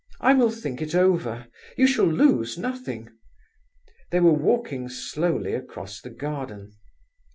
"I will think it over. You shall lose nothing!" They were walking slowly across the garden.